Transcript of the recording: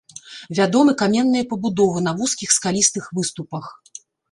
Вядомы каменныя пабудовы на вузкіх скалістых выступах.